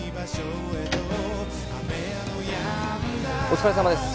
お疲れさまです！